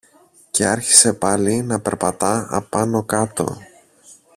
Και άρχισε πάλι να περπατά απάνω-κάτω.